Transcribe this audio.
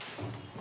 あ。